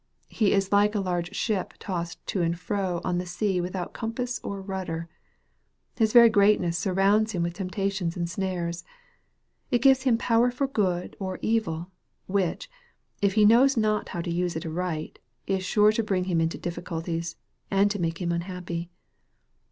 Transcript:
He is like a large ship tossed to and fro on the sea without com pass or rudder. His very greatness surrounds him with temptations and snares. It gives him power for good or evil, which, if he knows not how to use it aright, is sure to bring him into difficulties, and to make him unhappy.